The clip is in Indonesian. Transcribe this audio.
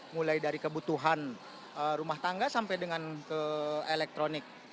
mulai dari kebutuhan rumah tangga sampai dengan ke elektronik